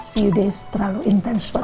few days terlalu intens buat tante